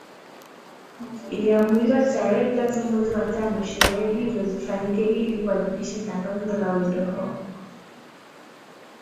Iliamuliwa tarehe tatu mwezi wa tano sherehe hizo zifanyike ili kuadhimisha Tangazo la Windhoek